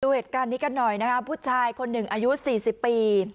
เหตุการณ์นี้กันหน่อยนะคะผู้ชายคนหนึ่งอายุ๔๐ปี